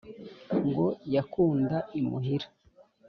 ngo yakunda imuhira.